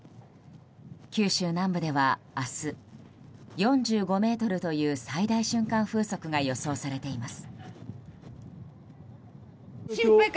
九州南部では明日４５メートルという最大瞬間風速が予想されています。